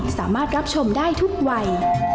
สามารถรับชมได้ทุกวัย